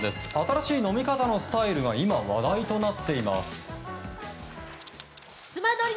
新しい飲み方のスタイルが今、話題となっています。